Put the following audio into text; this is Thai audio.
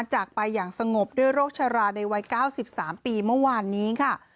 จากไปอย่างสงบด้วยโรคชราในวัย๙๓ปีเมื่อวานนี้ค่ะ